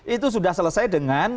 itu sudah selesai dengan